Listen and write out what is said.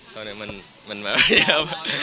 เขาเนี่ยมันมันแบบ